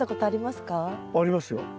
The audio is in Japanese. ありますよ。